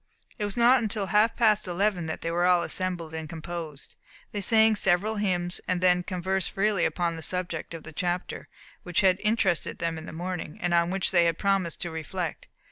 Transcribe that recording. It was not until half past eleven that they were all assembled and composed. They sang several hymns, then conversed freely upon the subject of the chapter, which had interested them in the morning, and on which they had promised to reflect.